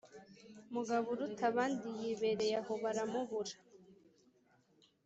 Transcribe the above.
mugaburutabandi yibereye aho, baramubura